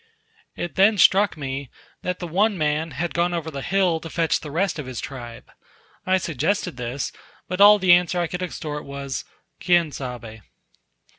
It then struck me, that the one man had gone over the hill to fetch the rest of his tribe. I suggested this; but all the answer I could extort was, "Quien sabe?"